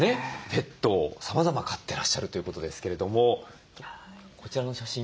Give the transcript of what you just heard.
ペットをさまざま飼ってらっしゃるということですけれどもこちらの写真は水槽ですね。